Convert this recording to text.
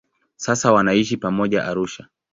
Sasa wanaishi pamoja Arusha.